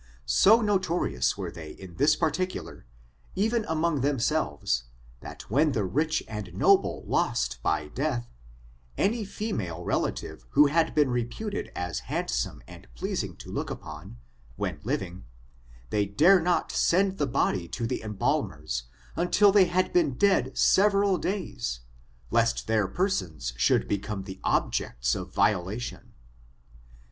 So notorious were they in this particular, even among themselves, that when the rich and noble lost by death, uny female relative who had been reputed as handsome and pleasing to look upon, when living, they dare not send the body to the embalmers until they had been dead several days, lest their persons should become the objects of viola tion.